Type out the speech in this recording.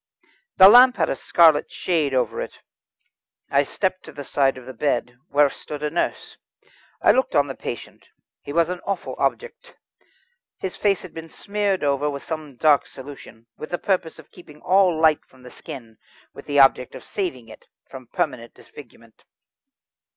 The lamp had a scarlet shade over it. I stepped to the side of the bed, where stood a nurse. I looked on the patient. He was an awful object. His face had been smeared over with some dark solution, with the purpose of keeping all light from the skin, with the object of saving it from permanent disfigurement.